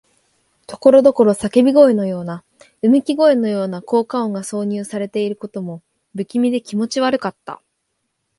ところどころ叫び声のような、うめき声のような効果音が挿入されていることも、不気味で気持ち悪かった。